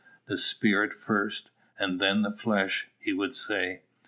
"The spirit first, and then the flesh," he would say.